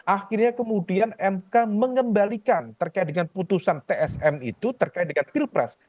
akhirnya kemudian mk mengembalikan terkait dengan putusan tsm itu terkait dengan pilpres